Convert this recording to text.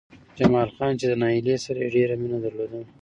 جمال خان چې له نايلې سره يې ډېره مينه درلوده